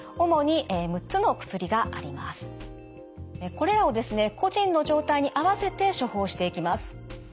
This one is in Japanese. これらをですね個人の状態に合わせて処方していきます。